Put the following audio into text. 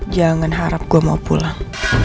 jangan harap gue mau pulang